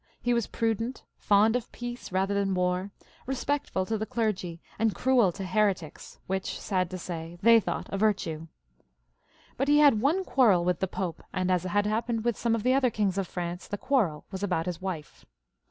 He was prudent, fond of peace rather than war, respectful to th,e clergy, and cruel to heretics, which, sad to say, they thought a virtue. But he had one quarrel with the Pope, and as had happened with some of the other kings of France, the quarrel was about his wife.